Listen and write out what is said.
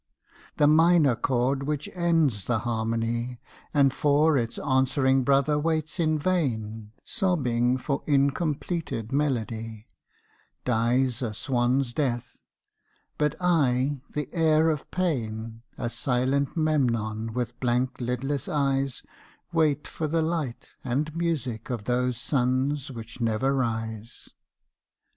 The minor chord which ends the harmony, And for its answering brother waits in vain Sobbing for incompleted melody, Dies a swan's death; but I the heir of pain, A silent Memnon with blank lidless eyes, Wait for the light and music of those suns which never rise.